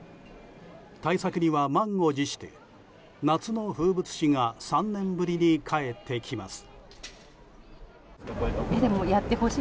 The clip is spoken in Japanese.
対策には満を持して夏の風物詩が３年ぶりに帰ってきます。